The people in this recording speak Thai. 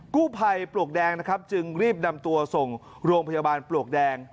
กู้ภัยปลวกแดงนะครับจึงรีบนำตัวส่งโรงพยาบาลปลวกแดง